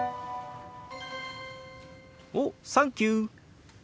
「おサンキュー」。